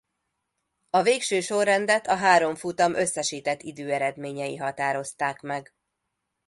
A végső sorrendet a három futam összesített időeredményei határozták meg.